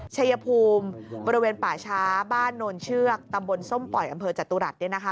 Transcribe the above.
ชายภูมิบริเวณป่าช้าบ้านโนนเชือกตำบลส้มปล่อยอำเภอจตุรัสเนี่ยนะคะ